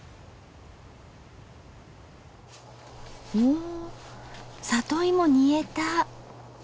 お里芋煮えた。